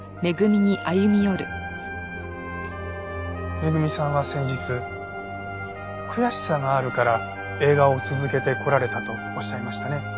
恵さんは先日悔しさがあるから映画を続けてこられたとおっしゃいましたね。